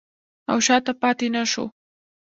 او شاته پاتې نشو.